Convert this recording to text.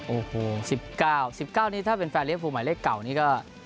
โอ้โห๑๙๑๙นี้ถ้าเป็นแฟนเลี้ยภูหมายเลขเก่านี้ก็